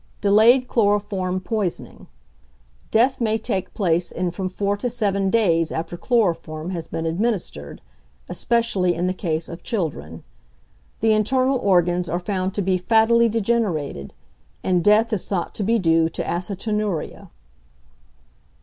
Delayed Chloroform Poisoning. Death may take place in from four to seven days after chloroform has been administered, especially in the case of children. The internal organs are found to be fattily degenerated, and death is thought to be due to acetonuria.